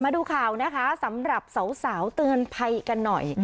มาดูข่าวนะคะสำหรับสาวเตือนภัยกันหน่อย